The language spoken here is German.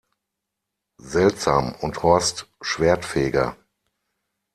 Seltsam und Horst Schwerdtfeger.